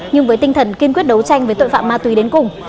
nhưng với tinh thần kiên quyết đấu tranh với tội phạm ma túy đến cùng